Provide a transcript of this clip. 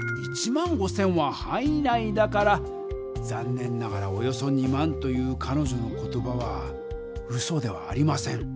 １５０００ははんい内だからざんねんながらおよそ２万というかのじょの言葉はうそではありません。